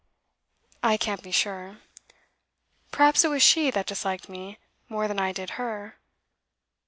'I can't be sure. Perhaps it was she that disliked me, more than I did her.